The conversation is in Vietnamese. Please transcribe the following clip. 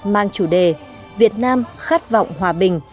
mang chủ đề việt nam khát vọng hòa bình